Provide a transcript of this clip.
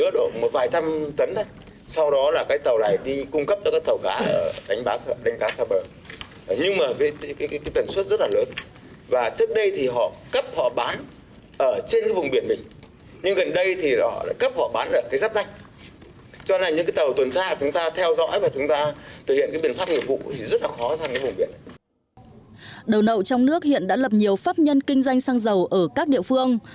đầu nậu trong nước hiện đã lập nhiều pháp nhân kinh doanh xăng dầu ở các địa phương